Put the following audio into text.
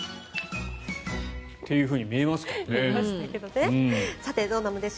っていうふうに見えますけどね。